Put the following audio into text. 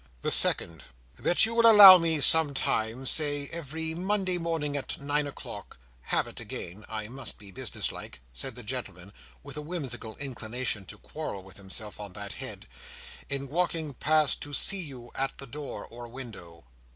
"The second, that you will allow me sometimes, say every Monday morning, at nine o'clock—habit again—I must be businesslike," said the gentleman, with a whimsical inclination to quarrel with himself on that head, "in walking past, to see you at the door or window.